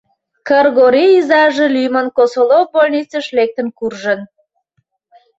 Кыргорий изаже лӱмын Косолоп больницыш лектын куржын.